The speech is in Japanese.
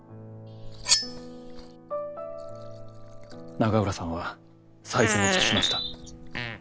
永浦さんは最善を尽くしました。